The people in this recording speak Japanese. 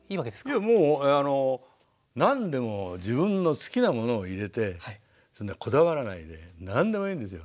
いやもうあの何でも自分の好きなものを入れてこだわらないで何でもいいんですよ。